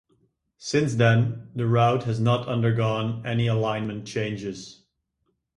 Since then, the route has not undergone any alignment changes.